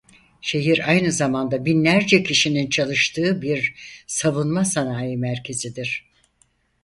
Şehir aynı zamanda binlerce kişinin çalıştığı bir savunma sanayi merkezidir.